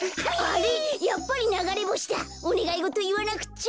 おねがいごといわなくっちゃ。